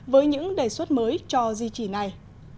với những đề xuất mới cho di chỉ này